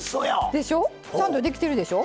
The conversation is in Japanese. でしょちゃんとできてるでしょ。